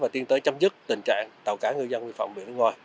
và tiến tới chấm dứt tình trạng tàu cá ngư dân vi phạm biển nước ngoài